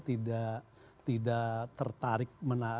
tidak tidak tertarik